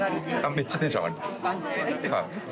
めっちゃテンション上がりますはい。